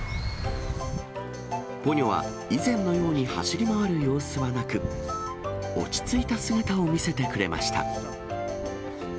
ポニョは以前のように走り回る様子はなく、落ち着いた姿を見せてくれました。